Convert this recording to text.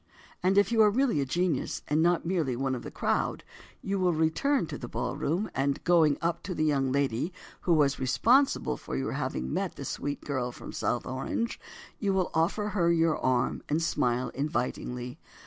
And, if you are really a genius, and not merely "one of the crowd" you will return to the ballroom and, going up to the young lady who was responsible for your having met the sweet girl from South Orange, you will offer her your arm, and smile invitingly.